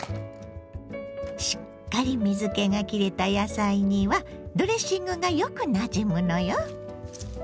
しっかり水けがきれた野菜にはドレッシングがよくなじむのよ。